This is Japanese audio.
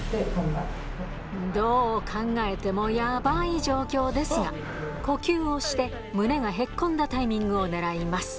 どう考えてもヤバい状況ですが呼吸をして胸がへっこんだタイミングを狙います